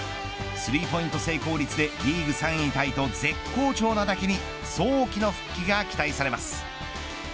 スリーポイント成功率でリーグ３位タイと絶好調なだけに早期の復帰が期待されます。